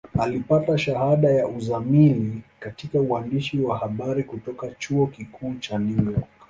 Alipata shahada ya uzamili katika uandishi wa habari kutoka Chuo Kikuu cha New York.